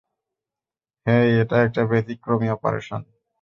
হেই, এটা একটা ব্যতিক্রমী অপারেশন।